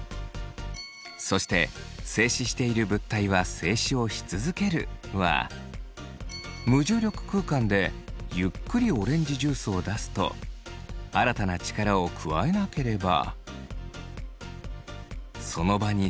そして「静止している物体は静止をし続ける」は無重力空間でゆっくりオレンジジュースを出すと新たな力を加えなければその場に静止し続けます。